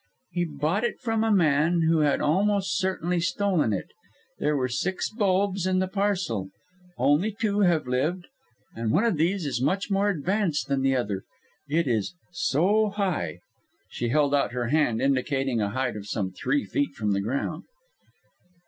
"He bought it from a man who had almost certainly stolen it! There were six bulbs in the parcel; only two have lived and one of these is much more advanced than the other; it is so high " She held out her hand, indicating a height of some three feet from the ground.